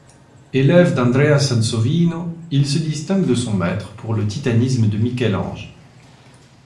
Élève d'Andrea Sansovino, il se distingue de son maître pour le titanisme de Michel-Ange.